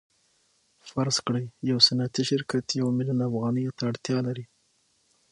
فرض کړئ یو صنعتي شرکت یو میلیون افغانیو ته اړتیا لري